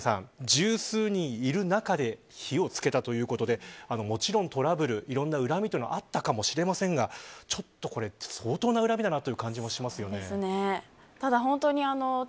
十数人いる中で火をつけたということでもちろんトラブル、いろんな恨みというのはあったかもしれませんがちょっとこれは相当な恨みだなという感じもしますよね。